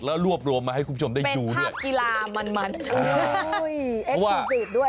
แล้วรวบรวมมาให้คุณผู้ชมได้อยู่ด้วย